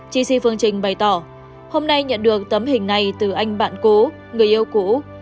chi si phương trinh bày tỏ hôm nay nhận được tấm hình này từ anh bạn cũ người yêu cũ